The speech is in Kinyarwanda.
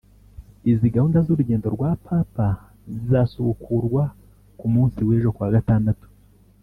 Izindi gahunda z’urugendo rwa papa zizasubukurwa ku munsi w’ejo kuwa gatandatu